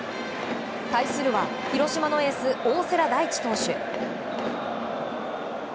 対するは広島のエース大瀬良大地投手。